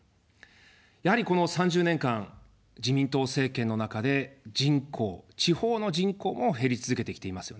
やはりこの３０年間、自民党政権の中で人口、地方の人口も減り続けてきていますよね。